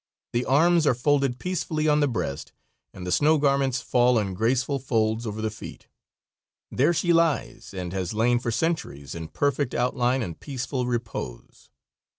The arms are folded peacefully on the breast, and the snow garments fall in graceful folds over the feet. There she lies and has lain for centuries in perfect outline and peaceful repose.